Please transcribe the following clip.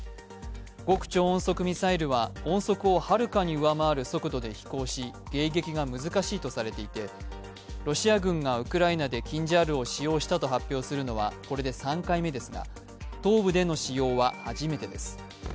極超音速ミサイルは音速をはるかに上回る速度で飛行し迎撃が難しいとされていて、ロシア軍がウクライナでキンジャールを使用したと発表するのはこれで３回目ですが東部での使用は初めてです。